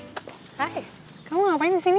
hai kamu ngapain disini